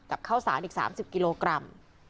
กับเข้าสารอีก๓๐กิโลกรัม